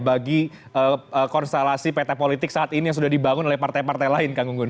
bagi konstelasi pt politik saat ini yang sudah dibangun oleh partai partai lain kang gunggun